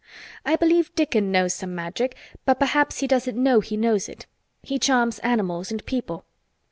I believe Dickon knows some Magic, but perhaps he doesn't know he knows it. He charms animals and people.